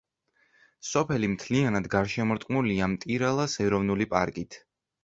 სოფელი მთლიანად გარშემორტყმულია მტირალას ეროვნული პარკით.